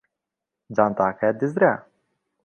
جانتاکە دزرا.